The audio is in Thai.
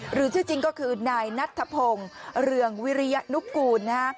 ชื่อจริงก็คือนายนัทธพงศ์เรืองวิริยนุกูลนะฮะ